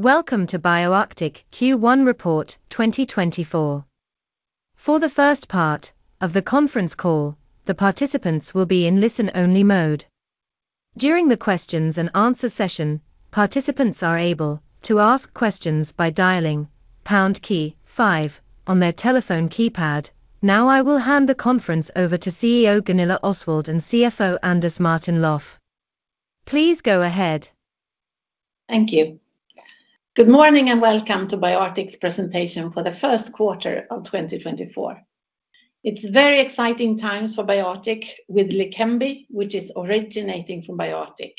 Welcome to BioArctic Q1 Report 2024. For the first part of the conference call, the participants will be in listen-only mode. During the questions and answer session, participants are able to ask questions by dialing pound key five on their telephone keypad. Now, I will hand the conference over to CEO Gunilla Osswald and CFO Anders Martin-Löf. Please go ahead. Thank you. Good morning, and welcome to BioArctic presentation for the first quarter of 2024. It's very exciting times for BioArctic with Leqembi, which is originating from BioArctic.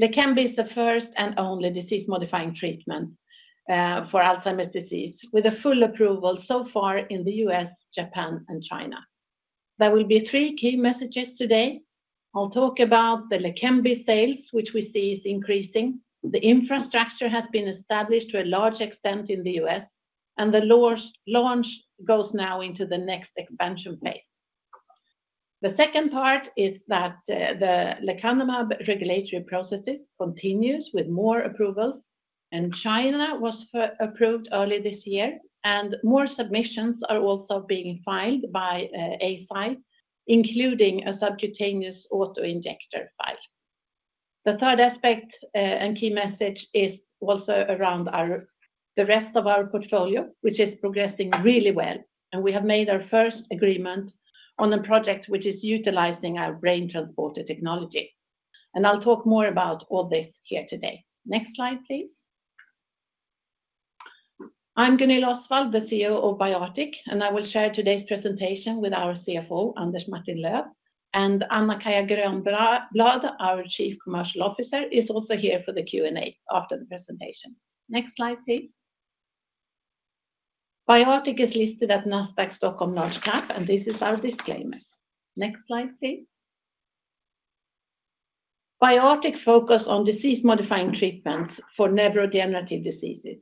Leqembi is the first and only disease-modifying treatment for Alzheimer's disease, with a full approval so far in the US, Japan, and China. There will be three key messages today. I'll talk about the Leqembi sales, which we see is increasing. The infrastructure has been established to a large extent in the US, and the Leqembi launch goes now into the next expansion phase. The second part is that the lecanemab regulatory processes continues with more approvals, and China was approved early this year, and more submissions are also being filed by Eisai, including a subcutaneous auto-injector file. The third aspect and key message is also around our... The rest of our portfolio, which is progressing really well, and we have made our first agreement on a project which is utilizing our Brain Transporter technology. I'll talk more about all this here today. Next slide, please. I'm Gunilla Osswald, the CEO of BioArctic, and I will share today's presentation with our CFO, Anders Martin-Löf, and Anna-Kaija Grönblad, our Chief Commercial Officer, is also here for the Q&A after the presentation. Next slide, please. BioArctic is listed at Nasdaq Stockholm, Large Cap, and this is our disclaimer. Next slide, please. BioArctic focus on disease-modifying treatments for neurodegenerative diseases,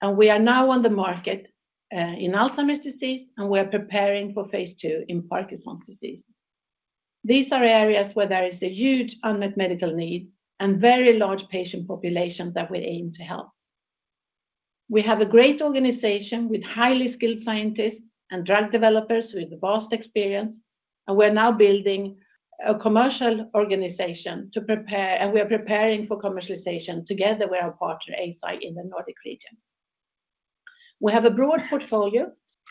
and we are now on the market in Alzheimer's disease, and we are preparing for phase 2 in Parkinson's disease. These are areas where there is a huge unmet medical need and very large patient populations that we aim to help. We have a great organization with highly skilled scientists and drug developers with vast experience, and we're now building a commercial organization to prepare... We are preparing for commercialization together with our partner, Eisai, in the Nordic region. We have a broad portfolio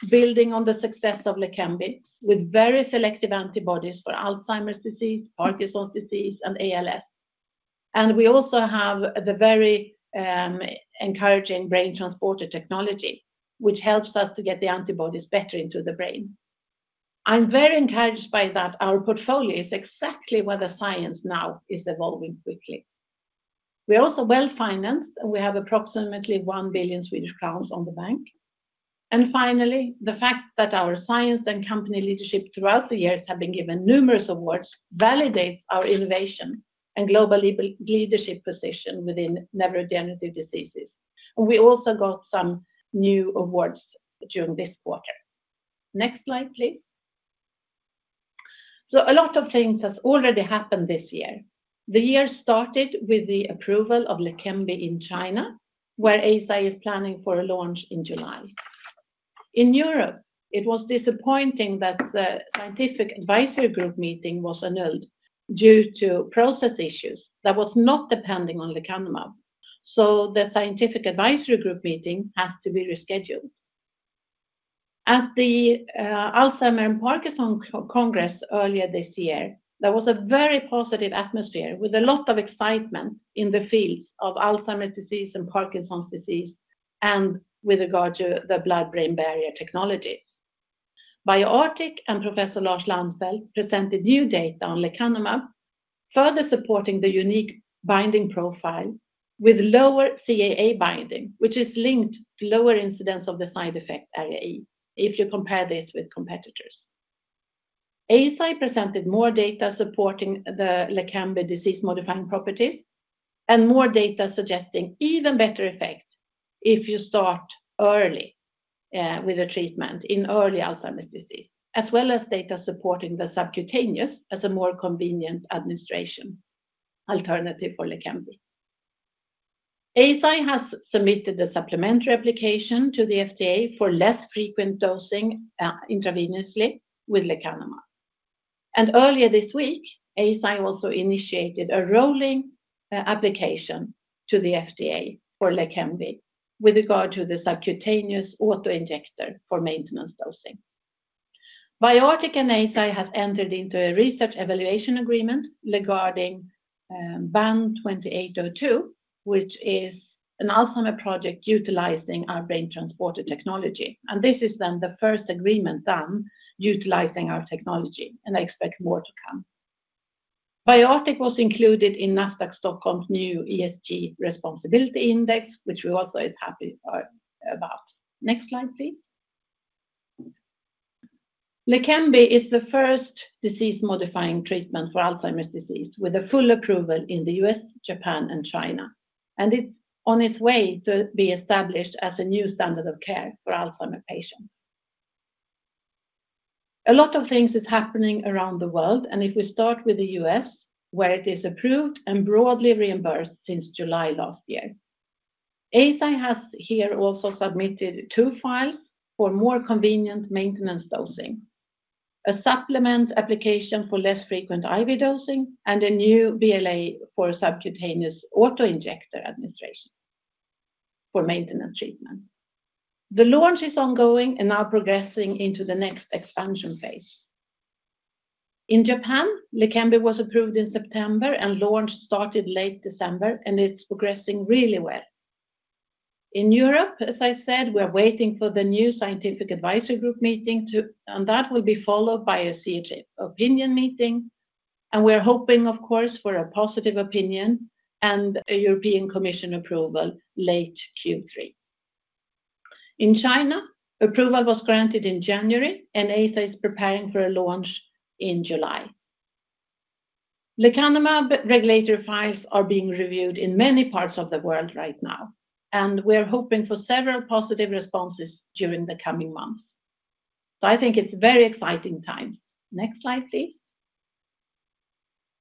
building on the success of Leqembi, with very selective antibodies for Alzheimer's disease, Parkinson's disease, and ALS. We also have the very encouraging BrainTransporter technology, which helps us to get the antibodies better into the brain. I'm very encouraged by that. Our portfolio is exactly where the science now is evolving quickly. We are also well-financed, and we have approximately 1 billion Swedish crowns in the bank. Finally, the fact that our science and company leadership throughout the years have been given numerous awards validates our innovation and global leadership position within neurodegenerative diseases. We also got some new awards during this quarter. Next slide, please. A lot of things has already happened this year. The year started with the approval of Leqembi in China, where Eisai is planning for a launch in July. In Europe, it was disappointing that the Scientific Advisory Group meeting was annulled due to process issues that was not depending on lecanemab, so the Scientific Advisory Group meeting had to be rescheduled. At the Alzheimer's and Parkinson's Congress earlier this year, there was a very positive atmosphere with a lot of excitement in the fields of Alzheimer's disease and Parkinson's disease, and with regard to the blood-brain barrier technologies. BioArctic and Professor Lars Lannfelt presented new data on lecanemab, further supporting the unique binding profile with lower CAA binding, which is linked to lower incidence of the side effect ARIA-E, if you compare this with competitors. Eisai presented more data supporting the Leqembi disease-modifying properties, and more data suggesting even better effect if you start early with the treatment in early Alzheimer's disease, as well as data supporting the subcutaneous as a more convenient administration alternative for Leqembi. Eisai has submitted a supplementary application to the FDA for less frequent dosing intravenously with lecanemab. And earlier this week, Eisai also initiated a rolling application to the FDA for Leqembi with regard to the subcutaneous auto-injector for maintenance dosing. BioArctic and Eisai have entered into a research evaluation agreement regarding BAN 2802, which is an Alzheimer project utilizing our BrainTransporter technology. And this is then the first agreement done utilizing our technology, and I expect more to come. BioArctic was included in Nasdaq Stockholm's new ESG Responsibility Index, which we are also happy about. Next slide, please. Leqembi is the first disease-modifying treatment for Alzheimer's disease, with a full approval in the U.S., Japan, and China, and it's on its way to be established as a new standard of care for Alzheimer's patients.... A lot of things is happening around the world, and if we start with the U.S., where it is approved and broadly reimbursed since July last year. Eisai has here also submitted two files for more convenient maintenance dosing. A supplement application for less frequent IV dosing, and a new BLA for subcutaneous auto-injector administration for maintenance treatment. The launch is ongoing and now progressing into the next expansion phase. In Japan, Leqembi was approved in September, and launch started late December, and it's progressing really well. In Europe, as I said, we are waiting for the new Scientific Advisory Group meeting, and that will be followed by a CHMP opinion meeting, and we're hoping, of course, for a positive opinion and a European Commission approval late Q3. In China, approval was granted in January, and Eisai is preparing for a launch in July. Lecanemab regulatory files are being reviewed in many parts of the world right now, and we're hoping for several positive responses during the coming months. So I think it's a very exciting time. Next slide, please.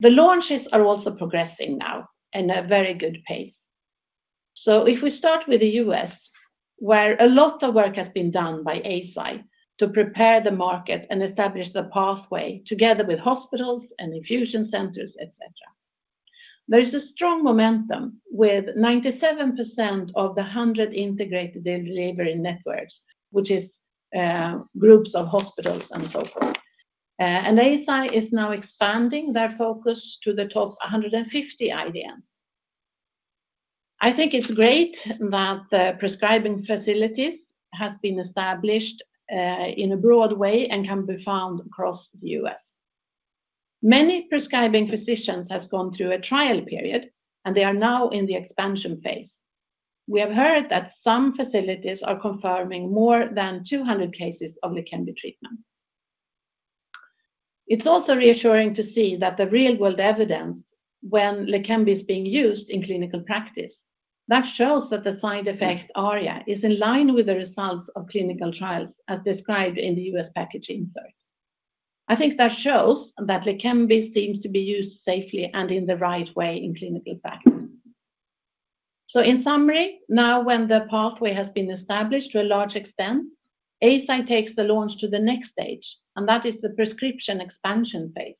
The launches are also progressing now in a very good pace. So if we start with the U.S., where a lot of work has been done by Eisai to prepare the market and establish the pathway together with hospitals and infusion centers, et cetera. There is a strong momentum with 97% of the 100 integrated delivery networks, which is, groups of hospitals and so forth. Eisai is now expanding their focus to the top 150 IDN. I think it's great that the prescribing facilities have been established, in a broad way and can be found across the U.S. Many prescribing physicians have gone through a trial period, and they are now in the expansion phase. We have heard that some facilities are confirming more than 200 cases of Leqembi treatment. It's also reassuring to see that the real-world evidence when Leqembi is being used in clinical practice, that shows that the side effects area is in line with the results of clinical trials as described in the U.S. packaging insert. I think that shows that Leqembi seems to be used safely and in the right way in clinical practice. So in summary, now when the pathway has been established to a large extent, Eisai takes the launch to the next stage, and that is the prescription expansion phase.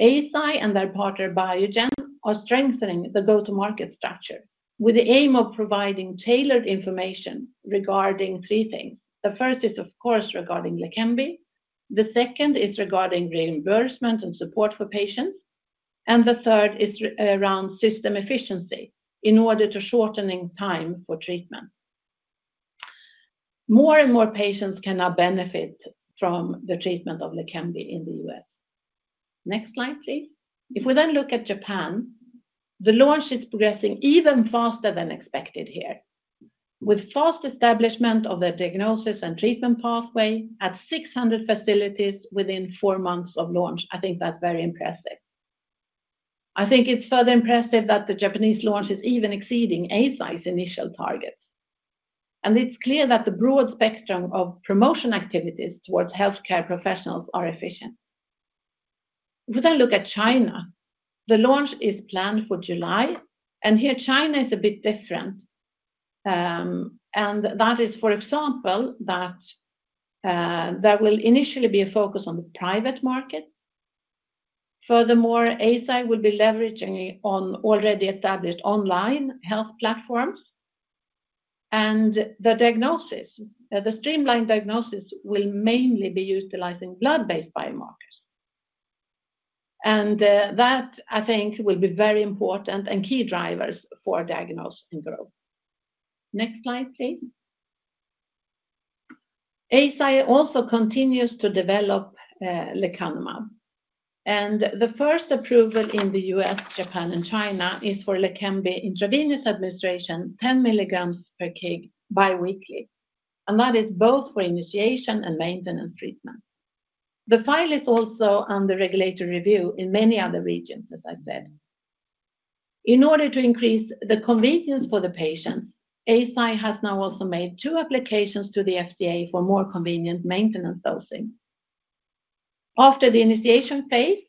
Eisai and their partner, Biogen, are strengthening the go-to-market structure with the aim of providing tailored information regarding three things. The first is, of course, regarding Leqembi, the second is regarding reimbursement and support for patients, and the third is re- around system efficiency in order to shortening time for treatment. More and more patients can now benefit from the treatment of Leqembi in the US. Next slide, please. If we then look at Japan, the launch is progressing even faster than expected here, with fast establishment of the diagnosis and treatment pathway at 600 facilities within four months of launch. I think that's very impressive. I think it's further impressive that the Japanese launch is even exceeding Eisai's initial targets. And it's clear that the broad spectrum of promotion activities towards healthcare professionals are efficient. If we then look at China, the launch is planned for July, and here, China is a bit different, and that is, for example, that there will initially be a focus on the private market. Furthermore, Eisai will be leveraging on already established online health platforms, and the diagnosis, the streamlined diagnosis will mainly be utilizing blood-based biomarkers. And, that, I think, will be very important and key drivers for diagnosis and growth. Next slide, please. Eisai also continues to develop lecanemab, and the first approval in the US, Japan, and China is for Leqembi intravenous administration, 10 milligrams per kg biweekly, and that is both for initiation and maintenance treatment. The file is also under regulatory review in many other regions, as I said. In order to increase the convenience for the patients, Eisai has now also made two applications to the FDA for more convenient maintenance dosing. After the initiation phase,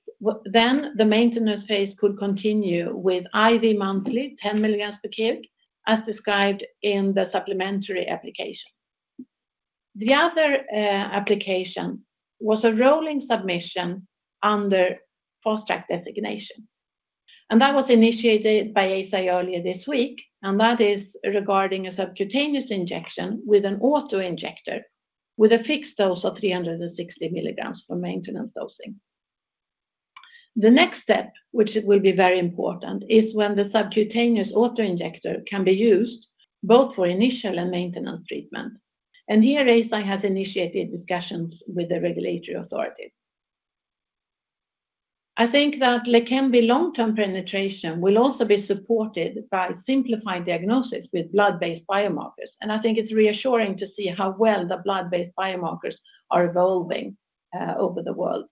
then the maintenance phase could continue with IV monthly, 10 milligrams per kg, as described in the supplementary application. The other application was a rolling submission under Fast Track designation, and that was initiated by Eisai earlier this week, and that is regarding a subcutaneous injection with an auto-injector, with a fixed dose of 360 milligrams for maintenance dosing. The next step, which will be very important, is when the subcutaneous auto-injector can be used both for initial and maintenance treatment. Here, Eisai has initiated discussions with the regulatory authorities. I think that Leqembi long-term penetration will also be supported by simplified diagnosis with blood-based biomarkers, and I think it's reassuring to see how well the blood-based biomarkers are evolving over the world.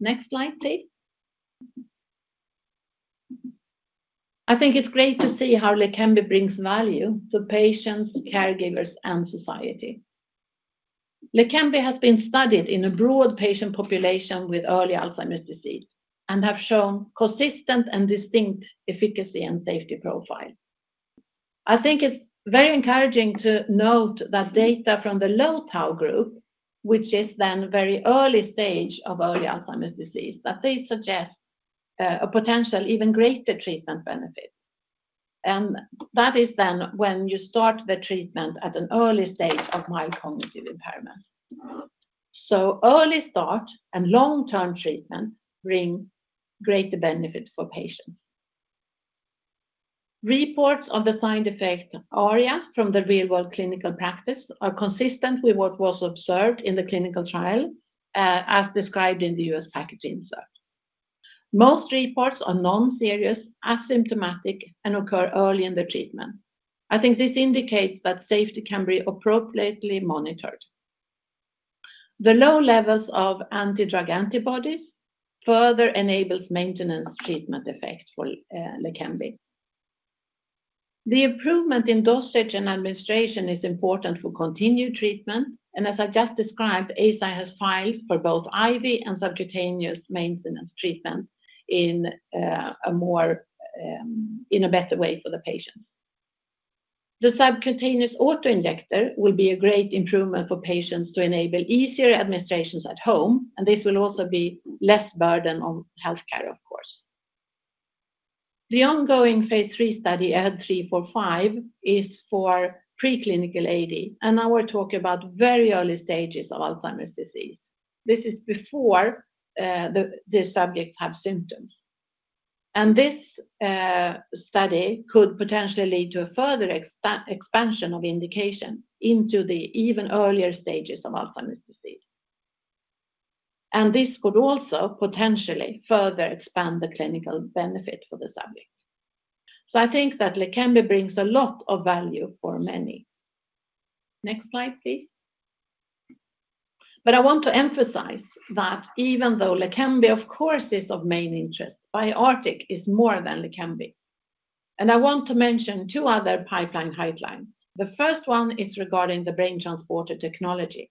Next slide, please. I think it's great to see how Leqembi brings value to patients, caregivers, and society. Leqembi has been studied in a broad patient population with early Alzheimer's disease, and have shown consistent and distinct efficacy and safety profile. I think it's very encouraging to note that data from the low tau group, which is then very early stage of early Alzheimer's disease, that they suggest a potential even greater treatment benefit. That is then when you start the treatment at an early stage of mild cognitive impairment. Early start and long-term treatment bring greater benefit for patients. Reports of the side effect ARIA from the real-world clinical practice are consistent with what was observed in the clinical trial, as described in the U.S. packaging insert. Most reports are non-serious, asymptomatic, and occur early in the treatment. I think this indicates that safety can be appropriately monitored. The low levels of anti-drug antibodies further enables maintenance treatment effect for Leqembi. The improvement in dosage and administration is important for continued treatment, and as I just described, Eisai has filed for both IV and subcutaneous maintenance treatment in a more in a better way for the patient. The subcutaneous auto-injector will be a great improvement for patients to enable easier administrations at home, and this will also be less burden on healthcare, of course. The ongoing phase III study, AHEAD 3-45, is for preclinical AD, and now we're talking about very early stages of Alzheimer's disease. This is before the subjects have symptoms. This study could potentially lead to a further expansion of indication into the even earlier stages of Alzheimer's disease. This could also potentially further expand the clinical benefit for the subjects. So I think that Leqembi brings a lot of value for many. Next slide, please. But I want to emphasize that even though Leqembi, of course, is of main interest, BioArctic is more than Leqembi, and I want to mention two other pipeline highlights. The first one is regarding the BrainTransporter technology.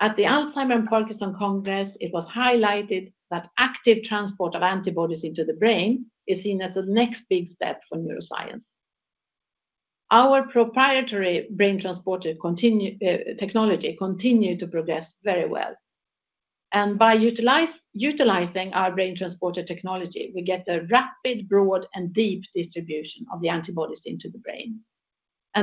At the Alzheimer's Parkinson Congress, it was highlighted that active transport of antibodies into the brain is seen as the next big step for neuroscience. Our proprietary BrainTransporter technology continues to progress very well. By utilizing our BrainTransporter technology, we get a rapid, broad, and deep distribution of the antibodies into the brain.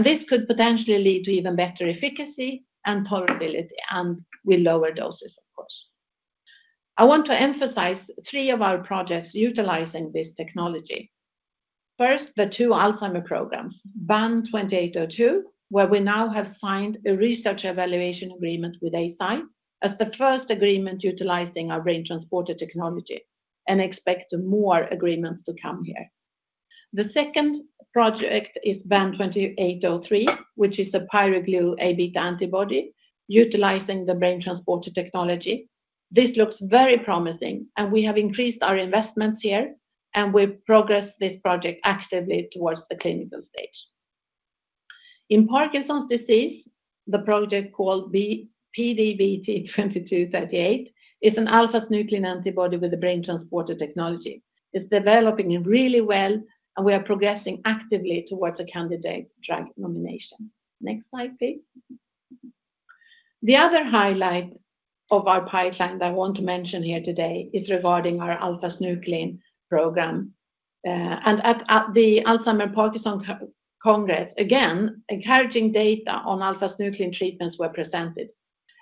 This could potentially lead to even better efficacy and tolerability, and with lower doses, of course. I want to emphasize three of our projects utilizing this technology. First, the two Alzheimer's programs, BAN2802, where we now have signed a research evaluation agreement with Eisai, as the first agreement utilizing our BrainTransporter technology, and expect more agreements to come here. The second project is BAN2803, which is a pyroglu-Abeta antibody utilizing the BrainTransporter technology. This looks very promising, and we have increased our investments here, and we progress this project actively towards the clinical stage. In Parkinson's disease, the project called B, PD-BT2238, is an alpha-synuclein antibody with a brain transporter technology. It's developing really well, and we are progressing actively towards a candidate drug nomination. Next slide, please. The other highlight of our pipeline that I want to mention here today is regarding our alpha-synuclein program. And at the Alzheimer Parkinson Co-Congress, again, encouraging data on alpha-synuclein treatments were presented,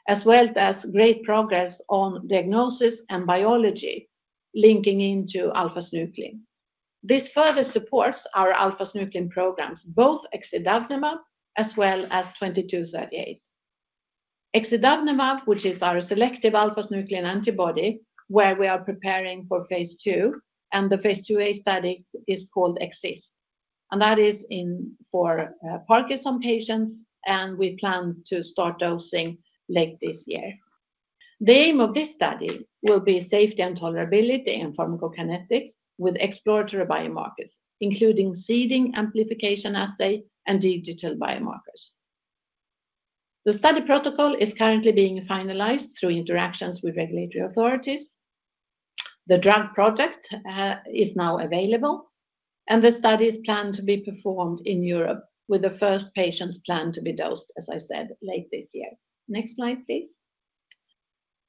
as well as great progress on diagnosis and biology linking into alpha-synuclein. This further supports our alpha-synuclein programs, both exidavnemab as well as 2238. Exidavnemab, which is our selective alpha-synuclein antibody, where we are preparing for phase II, and the phase II-A study is called EXIST, and that is in for Parkinson patients, and we plan to start dosing late this year. The aim of this study will be safety and tolerability and pharmacokinetics with exploratory biomarkers, including seeding amplification assays, and digital biomarkers. The study protocol is currently being finalized through interactions with regulatory authorities. The drug project is now available, and the study is planned to be performed in Europe, with the first patients planned to be dosed, as I said, late this year. Next slide, please.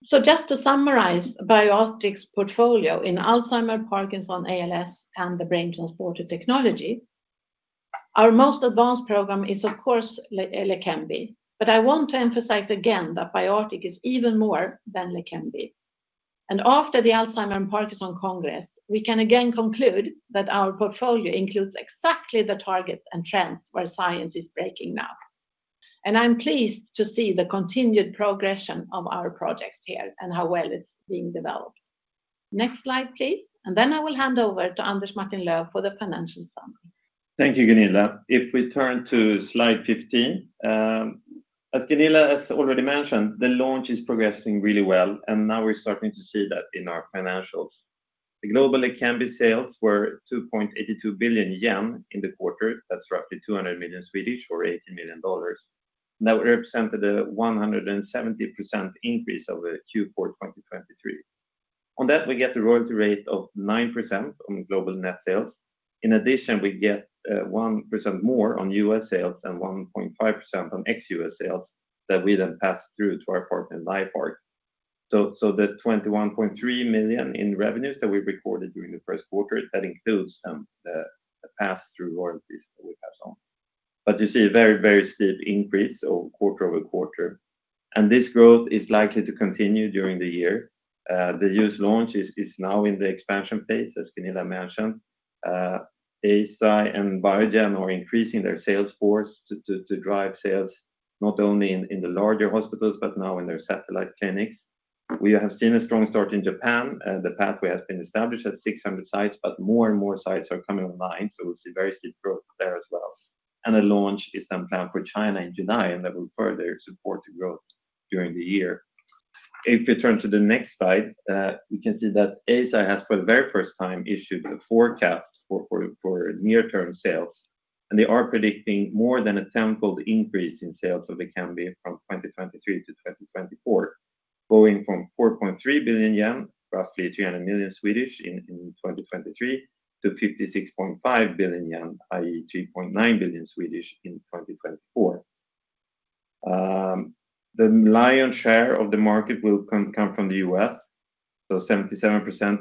So just to summarize, BioArctic's portfolio in Alzheimer's, Parkinson's, ALS, and the BrainTransporter technology, our most advanced program is, of course, Leqembi. But I want to emphasize again that BioArctic is even more than Leqembi. After the Alzheimer's and Parkinson's Congress, we can again conclude that our portfolio includes exactly the targets and trends where science is breaking now. I'm pleased to see the continued progression of our projects here and how well it's being developed. Next slide, please. Then I will hand over to Anders Martin-Löf for the financial side. Thank you, Gunilla. If we turn to slide 15, as Gunilla has already mentioned, the launch is progressing really well, and now we're starting to see that in our financials. The global Leqembi sales were 2.82 billion yen in the quarter. That's roughly 200 million or $80 million. That represented a 170% increase over Q4 2023. On that, we get a royalty rate of 9% on global net sales. In addition, we get one percent more on US sales and 1.5% on ex-US sales that we then pass through to our partner, Ligand. So, so the 21.3 million in revenues that we recorded during the first quarter, that includes some the pass-through royalties that we pass on. But you see a very, very steep increase over quarter-over-quarter, and this growth is likely to continue during the year. The U.S. launch is now in the expansion phase, as Gunilla mentioned. Eisai and Biogen are increasing their sales force to drive sales, not only in the larger hospitals, but now in their satellite clinics. We have seen a strong start in Japan, the pathway has been established at 600 sites, but more and more sites are coming online, so we'll see very steep growth there as well. And the launch is sometime for China in July, and that will further support the growth during the year. If you turn to the next slide, we can see that Eisai has, for the very first time, issued a forecast for near-term sales, and they are predicting more than a tenfold increase in sales of Leqembi from 2023-2024, going from 4.3 billion yen, roughly 300 million in 2023, to 56.5 billion yen, i.e., 3.9 billion in 2024. The lion's share of the market will come from the U.S., so 77%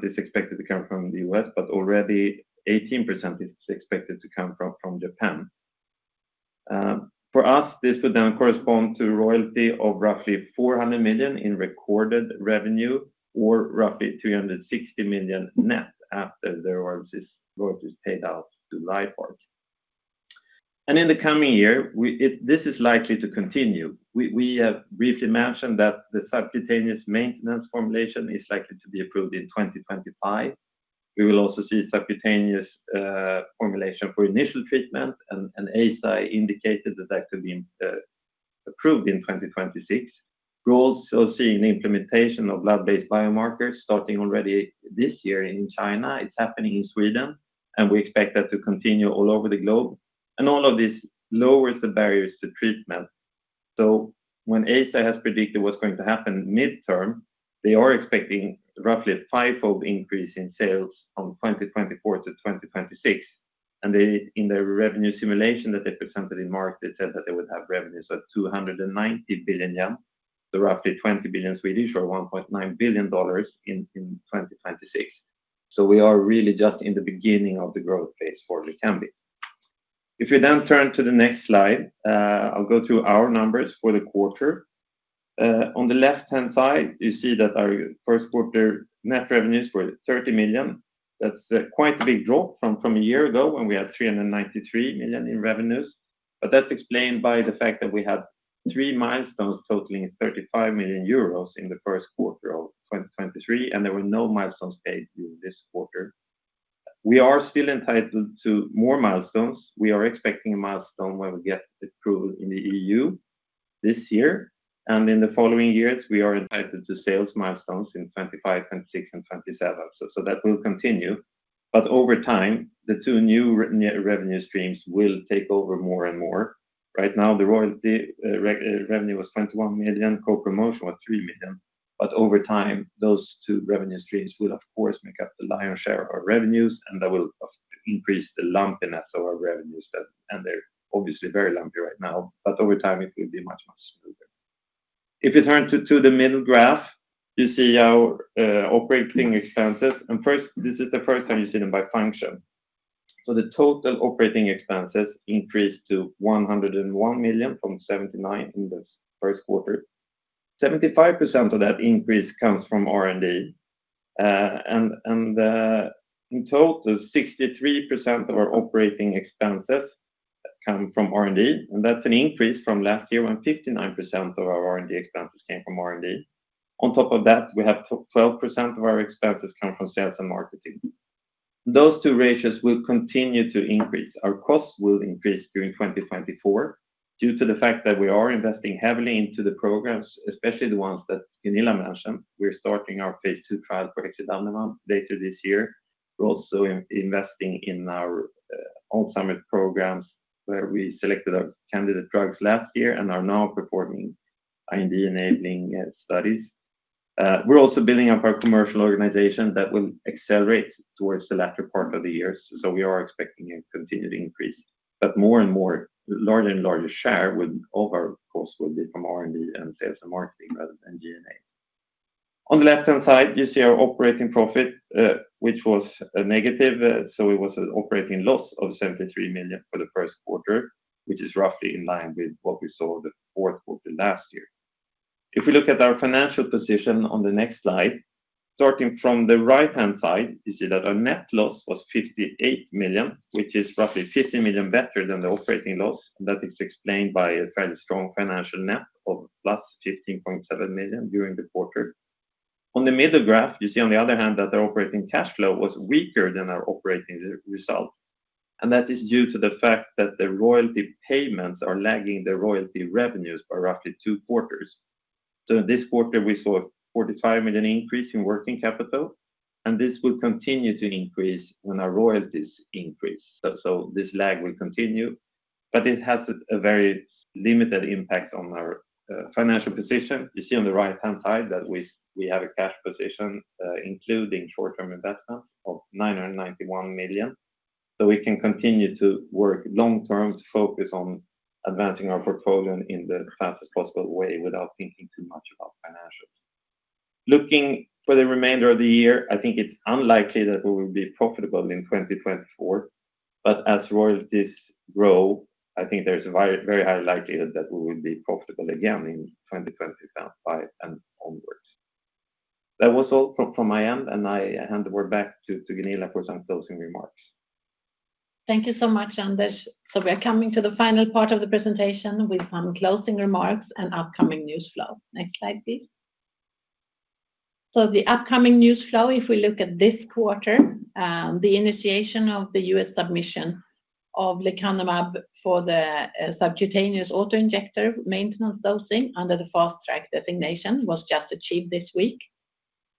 is expected to come from the U.S., but already 18% is expected to come from Japan. For us, this would then correspond to royalty of roughly 400 million in recorded revenue or roughly 360 million net after the royalties paid out to Ligand. In the coming year, this is likely to continue. We have briefly mentioned that the subcutaneous maintenance formulation is likely to be approved in 2025. We will also see subcutaneous formulation for initial treatment, and Eisai indicated that that will be approved in 2026. We're also seeing the implementation of lab-based biomarkers starting already this year in China. It's happening in Sweden, and we expect that to continue all over the globe. And all of this lowers the barriers to treatment. So when Eisai has predicted what's going to happen midterm, they are expecting roughly a 5-fold increase in sales from 2024-2026. They, in their revenue simulation that they presented in market, they said that they would have revenues of 290 billion yen, so roughly 20 billion or $1.9 billion in 2026. So we are really just in the beginning of the growth phase for Leqembi. If you then turn to the next slide, I'll go through our numbers for the quarter. On the left-hand side, you see that our first quarter net revenues were 30 million. That's quite a big drop from a year ago, when we had 393 million in revenues. But that's explained by the fact that we had three milestones totaling 35 million euros in the first quarter of 2023, and there were no milestones paid during this quarter. We are still entitled to more milestones. We are expecting a milestone when we get approval in the EU this year, and in the following years, we are entitled to sales milestones in 2025, 2026 and 2027. So that will continue, but over time, the two new revenue streams will take over more and more. Right now, the royalty revenue was 21 million, co-promotion was 3 million, but over time, those two revenue streams will, of course, make up the lion's share of our revenues, and that will, of course, increase the lumpiness of our revenues. They're obviously very lumpy right now, but over time, it will be much, much smoother. If you turn to the middle graph, you see our operating expenses. First, this is the first time you've seen them by function. So the total operating expenses increased to 101 million from 79 million in the first quarter. 75% of that increase comes from R&D. And in total, 63% of our operating expenses come from R&D, and that's an increase from last year, when 59% of our R&D expenses came from R&D. On top of that, we have twelve percent of our expenses come from sales and marketing. Those two ratios will continue to increase. Our costs will increase during 2024 due to the fact that we are investing heavily into the programs, especially the ones that Gunilla mentioned. We're starting our phase II trial for exidavnemab later this year. We're also investing in our ALS programs, where we selected our candidate drugs last year and are now performing IND-enabling studies. We're also building up our commercial organization that will accelerate towards the latter part of the year, so we are expecting a continued increase. But more and more, larger and larger share with over, of course, will be from R&D and sales and marketing rather than G&A. On the left-hand side, you see our operating profit, which was negative, so it was an operating loss of 73 million for the first quarter, which is roughly in line with what we saw the fourth quarter last year. If we look at our financial position on the next slide, starting from the right-hand side, you see that our net loss was 58 million, which is roughly 50 million better than the operating loss. That is explained by a fairly strong financial net of +15.7 million during the quarter. On the middle graph, you see on the other hand, that our operating cash flow was weaker than our operating results, and that is due to the fact that the royalty payments are lagging the royalty revenues by roughly two quarters. So in this quarter, we saw a 45 million increase in working capital, and this will continue to increase when our royalties increase. So this lag will continue, but it has a very limited impact on our financial position. You see on the right-hand side that we have a cash position, including short-term investments of 991 million. So we can continue to work long-term to focus on advancing our portfolio in the fastest possible way without thinking too much about financials. Looking for the remainder of the year, I think it's unlikely that we will be profitable in 2024, but as royalties grow, I think there's a very, very high likelihood that we will be profitable again in 2025 and onwards. That was all from my end, and I hand over back to Gunilla for some closing remarks. Thank you so much, Anders. So we are coming to the final part of the presentation with some closing remarks and upcoming news flow. Next slide, please. So the upcoming news flow, if we look at this quarter, the initiation of the U.S. submission of lecanemab for the subcutaneous auto-injector maintenance dosing under the Fast Track designation was just achieved this week,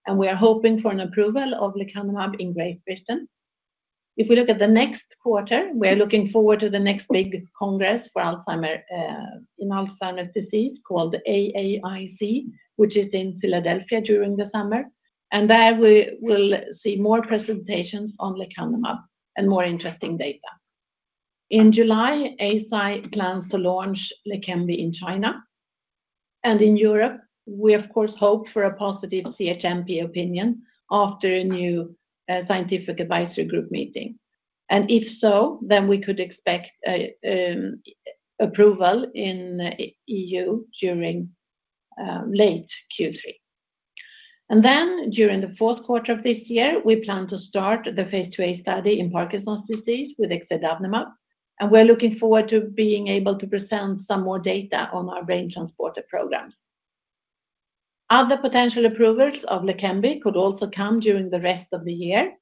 and we are hoping for an approval of lecanemab in Great Britain. If we look at the next quarter, we are looking forward to the next big congress for Alzheimer's in Alzheimer's disease, called AAIC, which is in Philadelphia during the summer. And there, we will see more presentations on lecanemab and more interesting data. In July, Eisai plans to launch Leqembi in China. And in Europe, we of course hope for a positive CHMP opinion after a new Scientific Advisory Group meeting. If so, then we could expect an approval in the EU during late Q3. Then, during the fourth quarter of this year, we plan to start the phase 2a study in Parkinson's disease with exidavnemab, and we're looking forward to being able to present some more data on our BrainTransporter programs. Other potential approvals of Leqembi could also come during the rest of the year.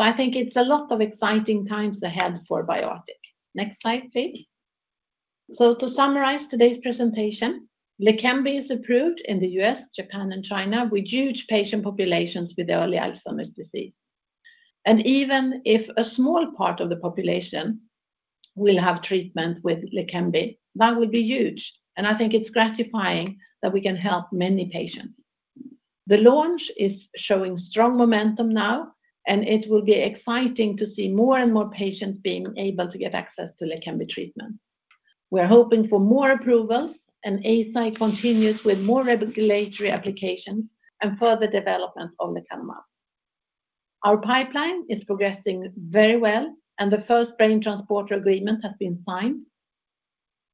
I think it's a lot of exciting times ahead for BioArctic. Next slide, please. To summarize today's presentation, Leqembi is approved in the U.S., Japan and China, with huge patient populations with early Alzheimer's disease. Even if a small part of the population will have treatment with Leqembi, that will be huge, and I think it's gratifying that we can help many patients. The launch is showing strong momentum now, and it will be exciting to see more and more patients being able to get access to Leqembi treatment. We are hoping for more approvals, and Eisai continues with more regulatory applications and further development of lecanemab. Our pipeline is progressing very well, and the first brain transporter agreement has been signed.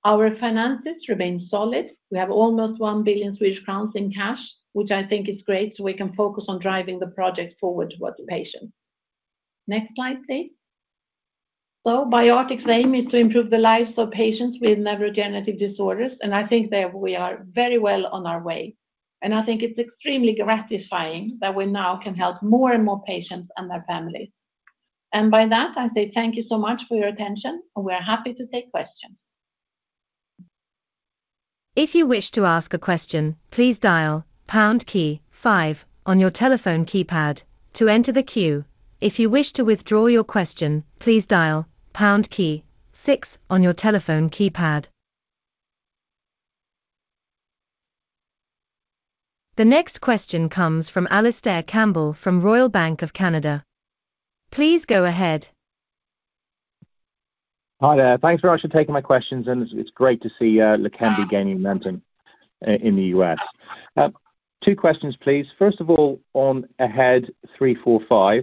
Our finances remain solid. We have almost 1 billion Swedish crowns in cash, which I think is great, so we can focus on driving the project forward towards the patient. Next slide, please. So BioArctic's aim is to improve the lives of patients with neurodegenerative disorders, and I think that we are very well on our way. And I think it's extremely gratifying that we now can help more and more patients and their families. By that, I say thank you so much for your attention, and we are happy to take questions. If you wish to ask a question, please dial pound key five on your telephone keypad to enter the queue. If you wish to withdraw your question, please dial pound key six on your telephone keypad. The next question comes from Alistair Campbell from Royal Bank of Canada. Please go ahead. Hi there. Thanks very much for taking my questions, and it's great to see Leqembi gaining momentum in the US. Two questions, please. First of all, on AHEAD 345,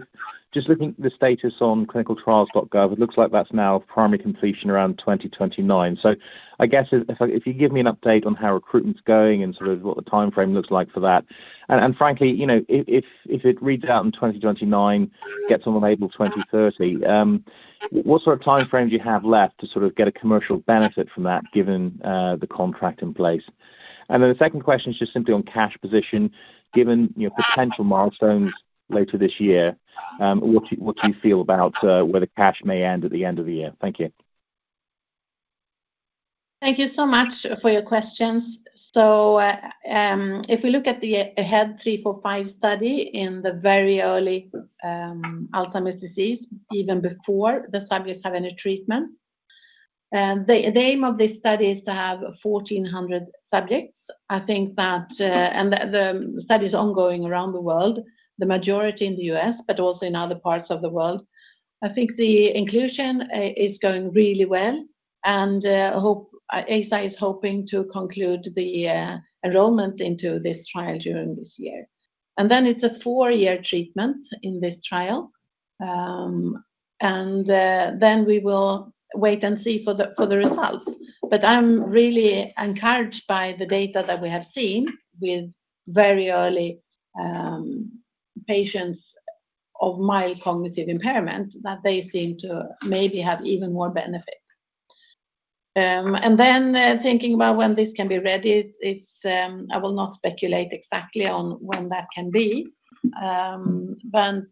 just looking at the status on clinicaltrials.gov, it looks like that's now primary completion around 2029. So I guess if you could give me an update on how recruitment's going and sort of what the timeframe looks like for that. And frankly, you know, if it reads out in 2029, gets on label 2030, what sort of time frames you have left to sort of get a commercial benefit from that, given the contract in place? And then the second question is just simply on cash position. Given, you know, potential milestones later this year, what do you feel about where the cash may end at the end of the year? Thank you. Thank you so much for your questions. So, if we look at the AHEAD 345 study in the very early Alzheimer's disease, even before the subjects have any treatment, the aim of this study is to have 1,400 subjects. I think that, and the study is ongoing around the world, the majority in the US, but also in other parts of the world. I think the inclusion is going really well, and Eisai is hoping to conclude the enrollment into this trial during this year. Then it's a four-year treatment in this trial. Then we will wait and see for the results. But I'm really encouraged by the data that we have seen with very early patients of mild cognitive impairment, that they seem to maybe have even more benefit. And then, thinking about when this can be ready, it's, I will not speculate exactly on when that can be. But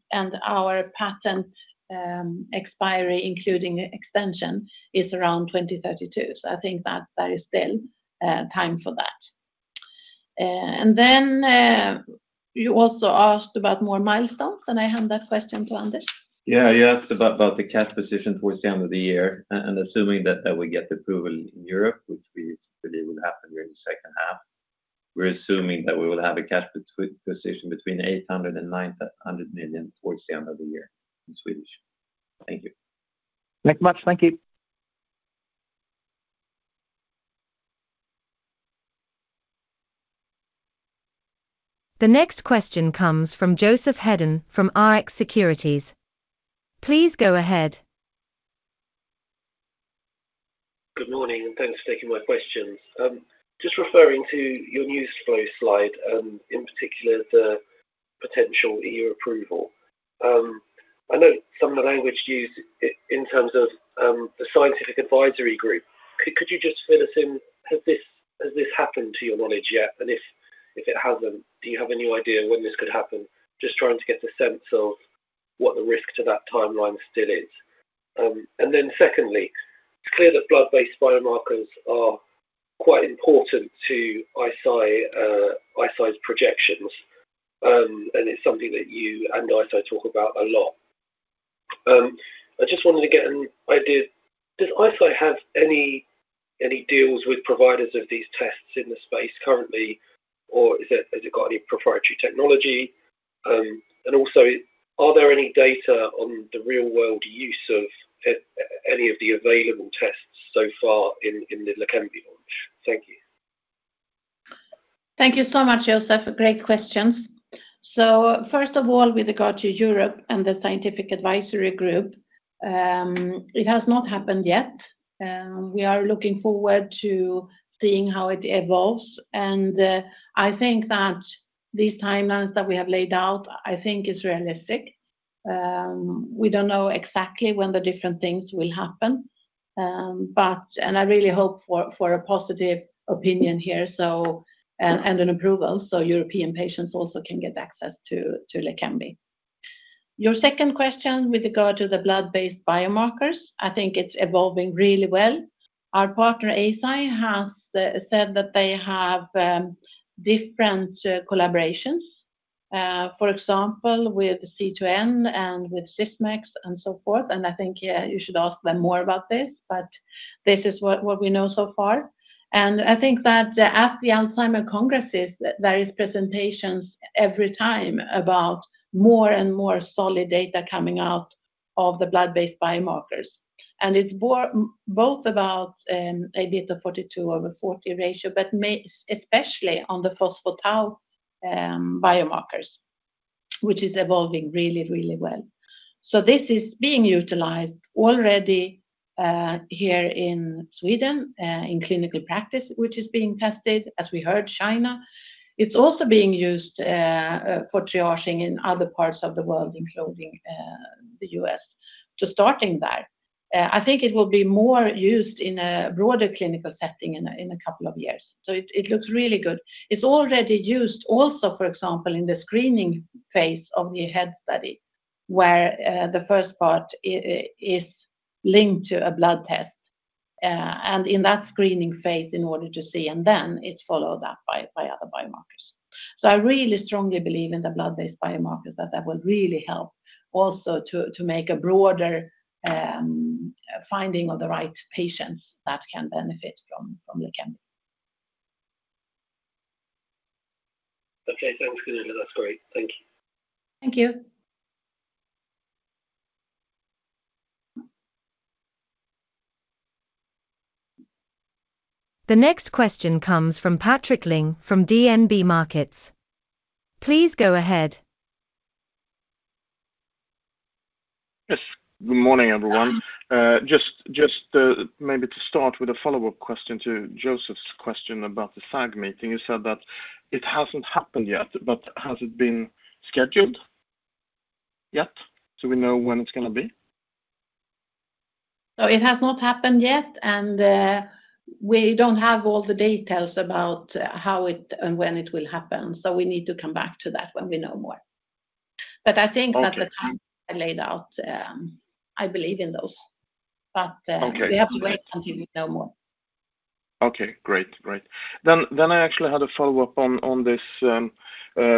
our patent expiry, including extension, is around 2032. So I think that there is still time for that. And then, you also asked about more milestones, and I hand that question to Anders. Yeah, you asked about the cash position towards the end of the year. And assuming that we get the approval in Europe, which we believe will happen during the second half, we're assuming that we will have a cash position between 800 million and 900 million towards the end of the year in Swedish. Thank you. Thank you very much. Thank you. The next question comes from Joseph Heddon from Rx Securities. Please go ahead. Good morning, and thanks for taking my questions. Just referring to your news flow slide, in particular, the potential EU approval. I know some of the language used in terms of the Scientific Advisory Group. Could you just fill us in, has this happened to your knowledge yet? And if it hasn't, do you have any idea when this could happen? Just trying to get a sense of what the risk to that timeline still is. And then secondly, it's clear that blood-based biomarkers are quite important to Eisai's projections. And it's something that you and Eisai talk about a lot. I just wanted to get an idea, does Eisai have any deals with providers of these tests in the space currently, or has it got any proprietary technology? Are there any data on the real-world use of any of the available tests so far in the Leqembi launch? Thank you. Thank you so much, Joseph. Great questions. So first of all, with regard to Europe and the Scientific Advisory Group, it has not happened yet. We are looking forward to seeing how it evolves, and I think that these timelines that we have laid out, I think is realistic. We don't know exactly when the different things will happen, but I really hope for a positive opinion here, so an approval, so European patients also can get access to Leqembi. Your second question, with regard to the blood-based biomarkers, I think it's evolving really well. Our partner, Eisai, has said that they have different collaborations, for example, with C2N and with Sysmex and so forth, and I think, yeah, you should ask them more about this, but this is what we know so far. I think that at the Alzheimer's congresses, there is presentations every time about more and more solid data coming out of the blood-based biomarkers. It's both about Aβ42 over 40 ratio, but especially on the phospho-tau biomarkers, which is evolving really, really well. This is being utilized already here in Sweden in clinical practice, which is being tested, as we heard, China. It's also being used for triaging in other parts of the world, including the U.S., starting there. I think it will be more used in a broader clinical setting in a couple of years, it looks really good. It's already used also, for example, in the screening phase of the AHEAD study, where the first part is linked to a blood test, and in that screening phase, in order to see, and then it's followed up by other biomarkers. So I really strongly believe in the blood-based biomarkers, that that will really help also to make a broader finding of the right patients that can benefit from Leqembi. Okay. Thanks, Gunilla. That's great. Thank you. Thank you. The next question comes from Patrik Ling from DNB Markets. Please go ahead. Yes, good morning, everyone. Hi. Maybe to start with a follow-up question to Joseph's question about the SAG meeting. You said that it hasn't happened yet, but has it been scheduled yet, so we know when it's going to be? No, it has not happened yet, and we don't have all the details about how it and when it will happen, so we need to come back to that when we know more. Okay. But I think that the timeline I laid out, I believe in those. Okay. We have to wait until we know more. Okay, great. Great. Then I actually had a follow-up on this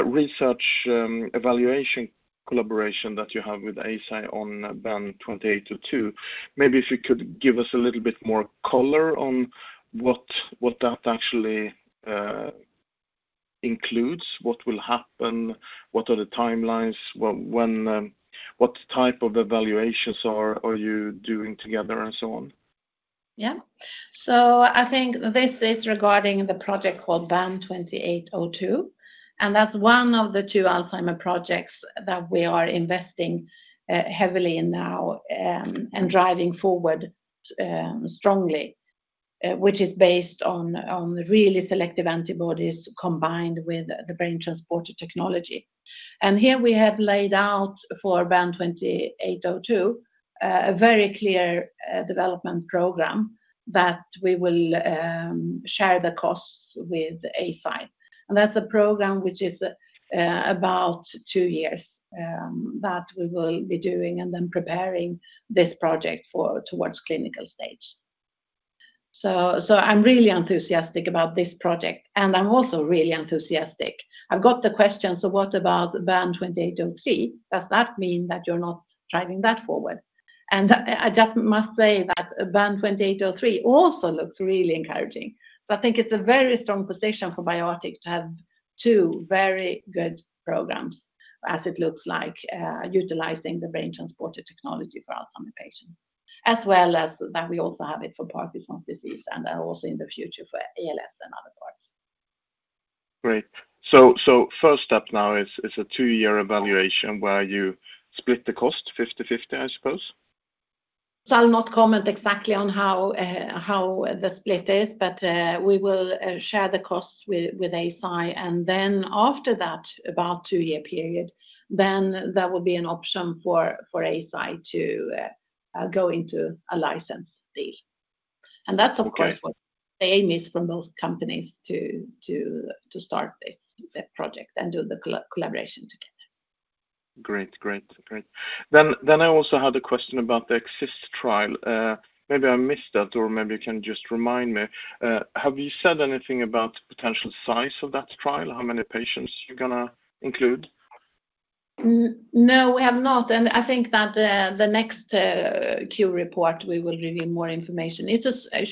research evaluation collaboration that you have with Eisai on BAN2802. Maybe if you could give us a little bit more color on what that actually includes, what will happen, what are the timelines, when what type of evaluations are you doing together, and so on? Yeah. So I think this is regarding the project called BAN2802, and that's one of the two Alzheimer's projects that we are investing heavily in now, and driving forward strongly, which is based on really selective antibodies combined with the BrainTransporter technology. And here we have laid out for BAN2802 a very clear development program that we will share the costs with Eisai. And that's a program which is about two years that we will be doing and then preparing this project for towards clinical stage. So I'm really enthusiastic about this project, and I'm also really enthusiastic. I've got the question, so what about BAN2803? Does that mean that you're not driving that forward? And I just must say that BAN2803 also looks really encouraging. I think it's a very strong position for BioArctic to have two very good programs, as it looks like, utilizing the BrainTransporter technology for Alzheimer's patients, as well as that we also have it for Parkinson's disease, and then also in the future for ALS and other parts. Great. First step now is a two-year evaluation where you split the cost 50/50, I suppose? So I'll not comment exactly on how the split is, but we will share the costs with ASI, and then after that, about two-year period, then there will be an option for ASI to go into a license deal. Okay. That's, of course, what the aim is from those companies to start this project and do the collaboration together. Great, great, great. Then, then I also had a question about the EXIST trial. Maybe I missed that, or maybe you can just remind me. Have you said anything about potential size of that trial? How many patients you're gonna include? No, we have not. And I think that the next Q report, we will reveal more information. It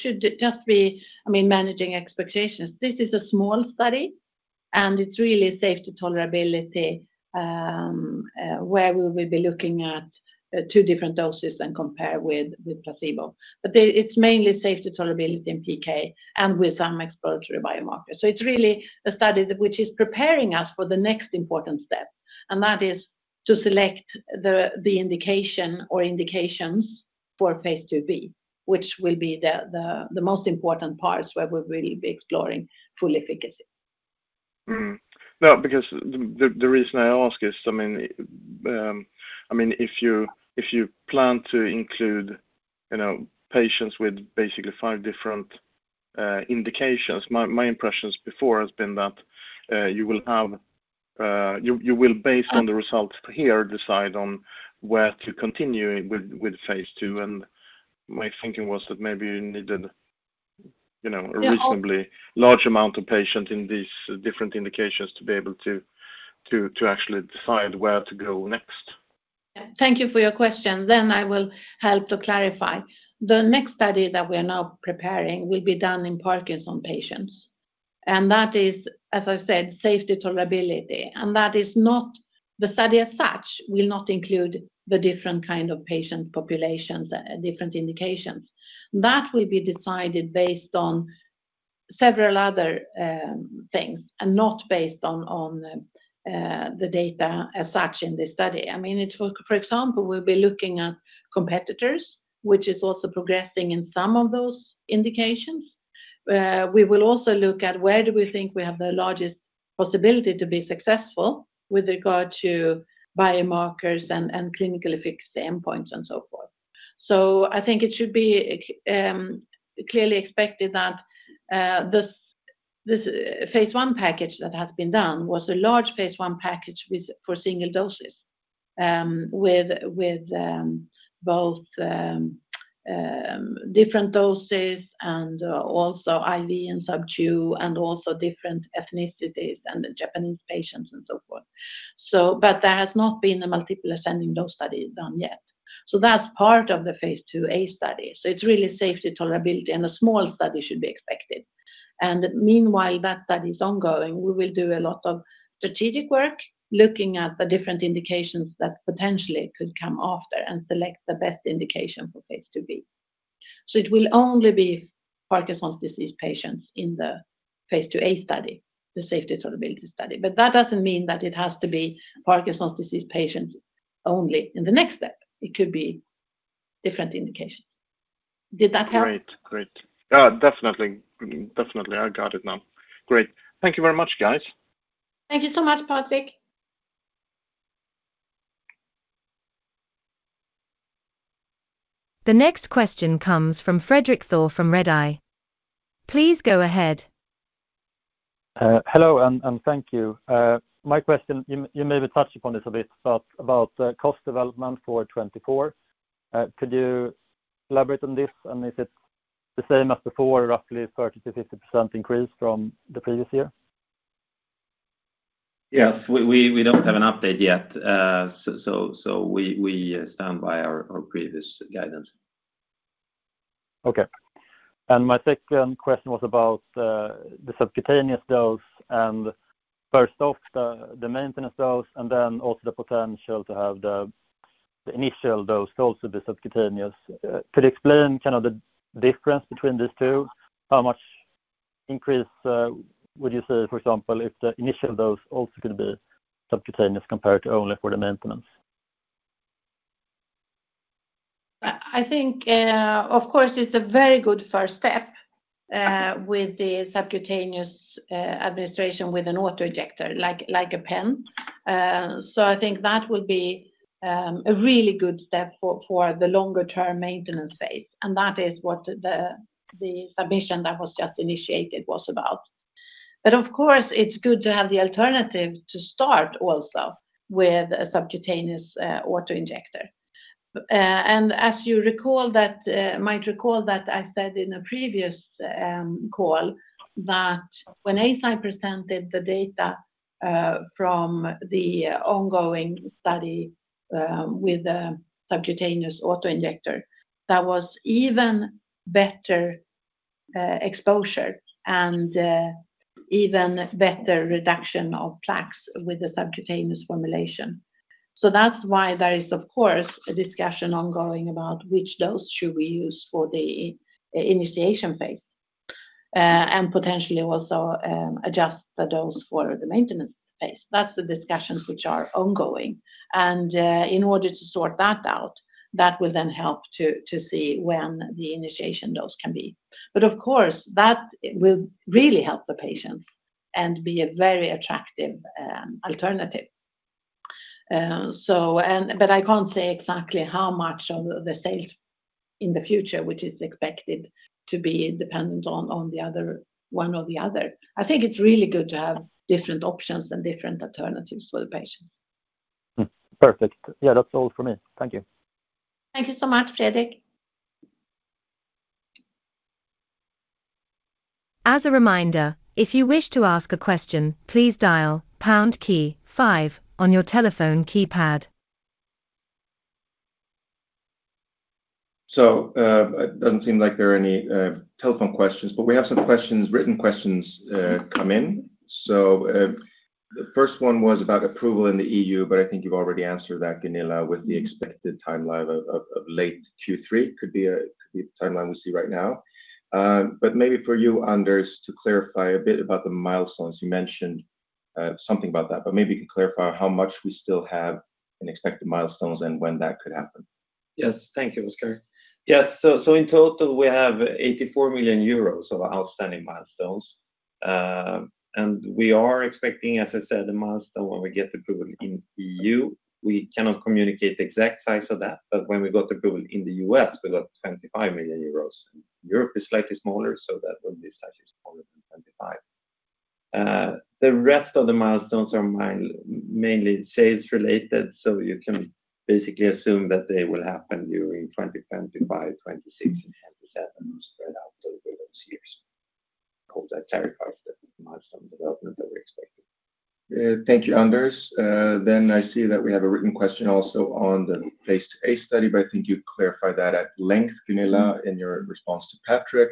should just be, I mean, managing expectations. This is a small study, and it's really safety tolerability where we will be looking at two different doses and compare with placebo. But it's mainly safety tolerability in PK and with some exploratory biomarkers. So it's really a study which is preparing us for the next important step, and that is to select the indication or indications for phase IIb, which will be the most important parts where we'll really be exploring full efficacy. No, because the reason I ask is, I mean, if you plan to include, you know, patients with basically five different indications, my impressions before has been that you will, based on the results here, decide on where to continue with phase II. And my thinking was that maybe you needed, you know- Yeah, um- A reasonably large amount of patients in these different indications to be able to actually decide where to go next. Thank you for your question. I will help to clarify. The next study that we are now preparing will be done in Parkinson's patients, and that is, as I said, safety tolerability. That is not the study as such, will not include the different kind of patient populations, different indications. That will be decided based on several other things, and not based on the data as such in this study. I mean, it will, for example, we'll be looking at competitors, which is also progressing in some of those indications. We will also look at where do we think we have the largest possibility to be successful with regard to biomarkers and clinically fixed endpoints and so forth. So I think it should be clearly expected that this phase I package that has been done was a large phase I package with, for single doses, with different doses and also IV and subcu, and also different ethnicities and the Japanese patients and so forth. So but there has not been a multiple ascending dose study done yet. So that's part of the phase II-A study. So it's really safety, tolerability, and a small study should be expected. And meanwhile, that study is ongoing, we will do a lot of strategic work, looking at the different indications that potentially could come after and select the best indication for phase IIb. So it will only be Parkinson's disease patients in the phase II-A study, the safety, tolerability study. But that doesn't mean that it has to be Parkinson's disease patients only in the next step. It could be different indications. Did that help? Great, great. Definitely, definitely, I got it now. Great. Thank you very much, guys. Thank you so much, Patrick. The next question comes from Fredrik Thor from Redeye. Please go ahead. Hello, and thank you. My question, you maybe touched upon this a bit, but about the cost development for 2024. Could you elaborate on this, and is it the same as before, roughly 30%-50% increase from the previous year? Yes, we don't have an update yet. So, we stand by our previous guidance. Okay. And my second question was about, the subcutaneous dose and first off, the, the maintenance dose, and then also the potential to have the, the initial dose also be subcutaneous. Could you explain kind of the difference between these two? How much increase, would you say, for example, if the initial dose also going to be subcutaneous compared to only for the maintenance? I think, of course, it's a very good first step with the subcutaneous administration with an auto-injector, like a pen. So I think that would be a really good step for the longer term maintenance phase, and that is what the submission that was just initiated was about. But of course, it's good to have the alternative to start also with a subcutaneous auto-injector. And as you might recall that I said in a previous call, that when ASI presented the data from the ongoing study with the subcutaneous auto-injector, that was even better exposure and even better reduction of plaques with the subcutaneous formulation. So that's why there is, of course, a discussion ongoing about which dose should we use for the initiation phase, and potentially also adjust the dose for the maintenance phase. That's the discussions which are ongoing. In order to sort that out, that will then help to see when the initiation dose can be. But of course, that will really help the patients and be a very attractive alternative. But I can't say exactly how much of the sales in the future, which is expected to be dependent on the other, one or the other. I think it's really good to have different options and different alternatives for the patients. Mm. Perfect. Yeah, that's all for me. Thank you. Thank you so much, Fredrik. As a reminder, if you wish to ask a question, please dial pound key five on your telephone keypad. So, it doesn't seem like there are any telephone questions, but we have some written questions come in. So, the first one was about approval in the EU, but I think you've already answered that, Gunilla, with the expected timeline of late Q3. Could be the timeline we see right now. But maybe for you, Anders, to clarify a bit about the milestones. You mentioned something about that, but maybe you could clarify how much we still have in expected milestones and when that could happen. Yes. Thank you, Oskar. Yes, so, so in total, we have 84 million euros of outstanding milestones. And we are expecting, as I said, the milestone when we get approval in EU. We cannot communicate the exact size of that, but when we got approval in the US, we got 25 million euros. Europe is slightly smaller, so that will be slightly smaller than 25. The rest of the milestones are mainly sales related, so you can basically assume that they will happen during 2025, 2026, and 2027, spread out over those years. Hope that clarifies the milestone development that we're expecting. Thank you, Anders. Then I see that we have a written question also on the phase II-A study, but I think you've clarified that at length, Gunilla, in your response to Patrik.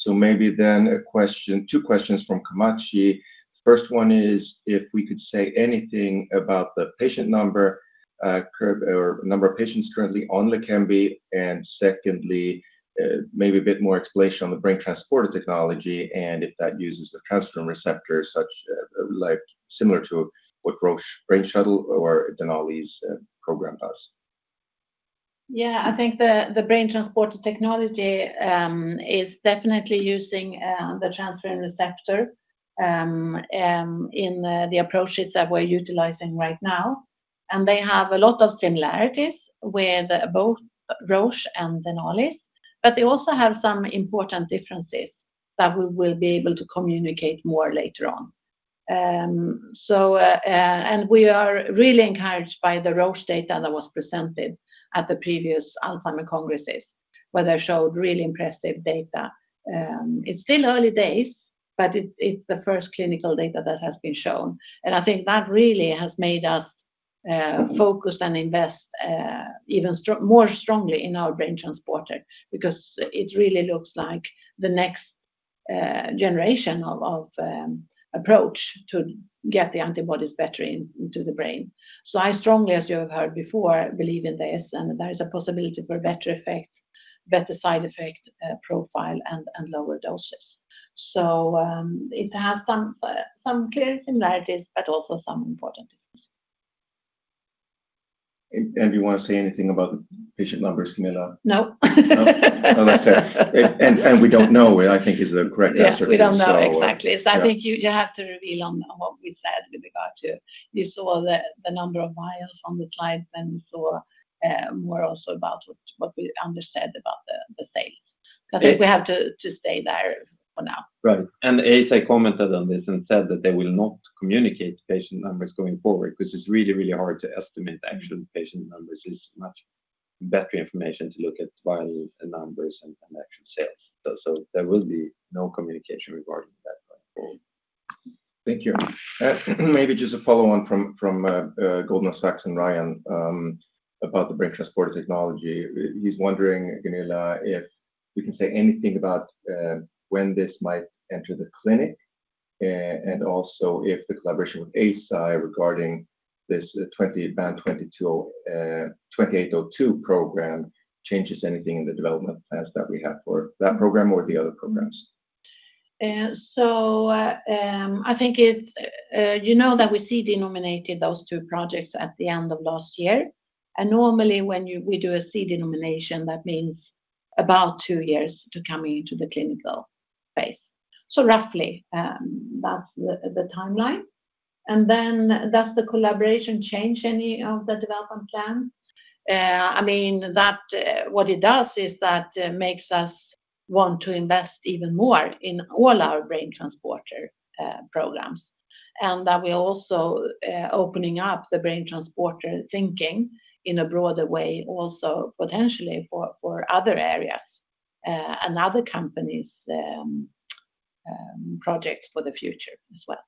So maybe then a question - two questions from Komachi. First one is, if we could say anything about the patient number or number of patients currently on Leqembi, and secondly, maybe a bit more explanation on the BrainTransporter technology, and if that uses the transferrin receptor, such, like similar to what Roche Brain Shuttle or Denali's program does. Yeah, I think the brain transporter technology is definitely using the transferrin receptor in the approaches that we're utilizing right now. And they have a lot of similarities with both Roche and Denali, but they also have some important differences that we will be able to communicate more later on. And we are really encouraged by the Roche data that was presented at the previous Alzheimer congresses, where they showed really impressive data. It's still early days, but it's the first clinical data that has been shown, and I think that really has made us focus and invest even more strongly in our brain transporter, because it really looks like the next generation of approach to get the antibodies better into the brain. So I strongly, as you have heard before, believe in this, and there is a possibility for better effect, better side effect profile and, and lower doses. So, it has some, some clear similarities, but also some important differences. And, do you want to say anything about the patient numbers, Gunilla? No. No? Okay. And we don't know, I think, is the correct answer. Yeah, we don't know exactly. So I think you have to reveal on what we said with regard to... You saw the number of vials on the slide, and you saw more also about what we understood about the sales. Yeah. I think we have to stay there for now. Right. And ASI commented on this and said that they will not communicate patient numbers going forward, because it's really, really hard to estimate the actual patient numbers. It's much better information to look at vial numbers and actual sales. So there will be no communication regarding that going forward. Thank you. Maybe just a follow-on from Goldman Sachs and Ryan about the BrainTransporter technology. He's wondering, Gunilla, if you can say anything about when this might enter the clinic, and also if the collaboration with Eisai regarding this BAN2802 program changes anything in the development plans that we have for that program or the other programs? And so, I think it's, you know, that we CD-nominated those two projects at the end of last year. And normally, when we do a CD nomination, that means about two years to coming into the clinical phase. So roughly, that's the timeline. And then does the collaboration change any of the development plans? I mean, that, what it does is that it makes us want to invest even more in all our brain transporter programs. And that we're also opening up the brain transporter thinking in a broader way, also potentially for other areas, and other companies', projects for the future as well.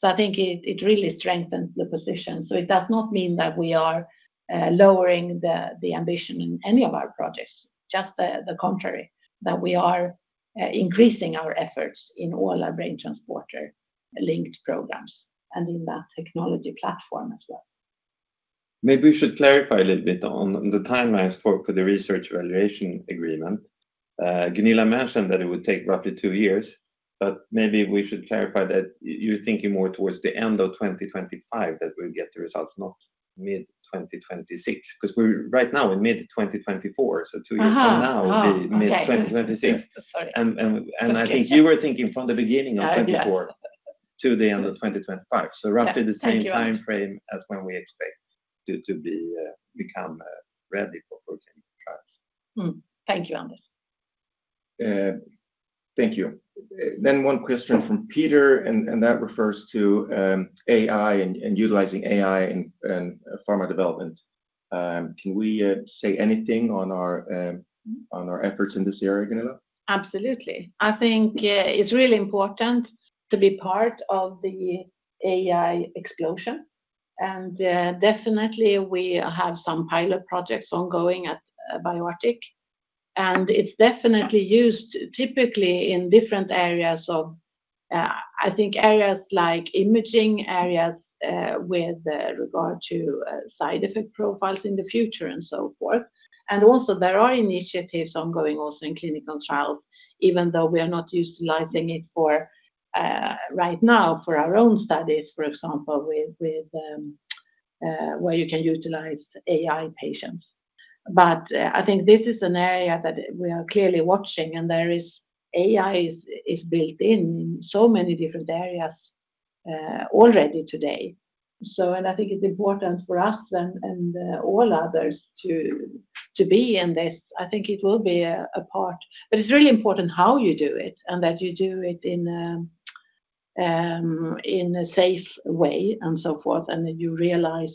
So I think it really strengthens the position. So it does not mean that we are lowering the ambition in any of our projects, just the contrary, that we are increasing our efforts in all our Brain Transporter-linked programs and in that technology platform as well. Maybe we should clarify a little bit on the timelines for the research evaluation agreement. Gunilla mentioned that it would take roughly two years, but maybe we should clarify that you're thinking more towards the end of 2025, that we'll get the results, not mid-2026. 'Cause we're right now in mid-2024, so two years from now- Uh-huh. Uh-huh... will be mid-2026. Okay. Sorry. And I think you were thinking from the beginning of 2024- Yeah. to the end of 2025. Yeah. Thank you. So roughly the same time frame as when we expect to become ready for protein trials. Hmm. Thank you, Anders. Thank you. Then one question from Peter, and that refers to AI and utilizing AI in pharma development. Can we say anything on our efforts in this area, Gunilla? Absolutely. I think, it's really important to be part of the AI explosion. And, definitely, we have some pilot projects ongoing at, BioArctic. And it's definitely used typically in different areas of... I think areas like imaging, areas, with regard to, side effect profiles in the future and so forth. And also there are initiatives ongoing also in clinical trials, even though we are not utilizing it for, right now for our own studies, for example, with, where you can utilize AI patients. But, I think this is an area that we are clearly watching, and there is AI built in so many different areas, already today. So and I think it's important for us and, all others to, be in this. I think it will be a part. But it's really important how you do it, and that you do it in a safe way and so forth, and that you realize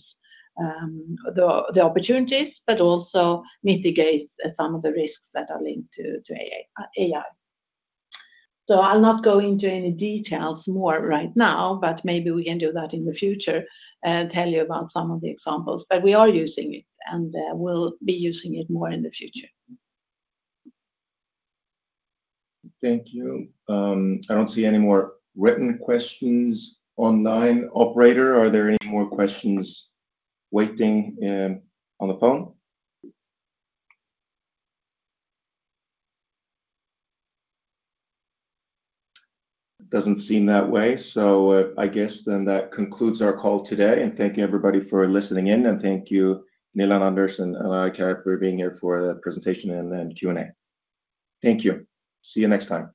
the opportunities, but also mitigate some of the risks that are linked to AI. So I'll not go into any details more right now, but maybe we can do that in the future, tell you about some of the examples. But we are using it, and we'll be using it more in the future. Thank you. I don't see any more written questions online. Operator, are there any more questions waiting on the phone? Doesn't seem that way. So, I guess then that concludes our call today, and thank you everybody for listening in. And thank you, Gunilla, Anders, and Laura Kerr, for being here for the presentation and then Q&A. Thank you. See you next time.